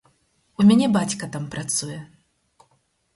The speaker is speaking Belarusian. У мяне бацька там працуе.